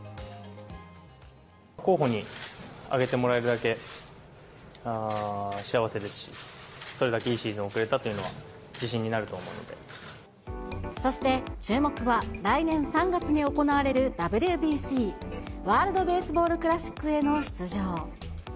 候補に挙げてもらえるだけ幸せですし、それだけいいシーズンを送れたというのは自信になるとそして、注目は来年３月に行われるＷＢＣ・ワールドベースボールクラシックへの出場。